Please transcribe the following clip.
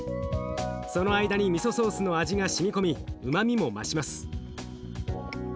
その間にミソソースの味がしみ込みうまみも増します。